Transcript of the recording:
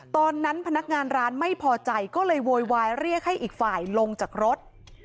ตอนนั้นพนักงานร้านไม่พอใจก็เลยโวยวายเรียกให้อีกฝ่ายลงจากรถ